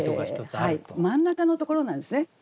真ん中のところなんですね